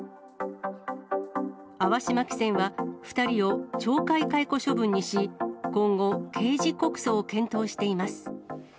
粟島汽船は、２人を懲戒解雇処分にし、今後、刑事告訴を検討しています。